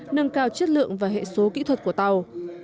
nâng cao chất lượng và hệ số kỹ thuật của tàu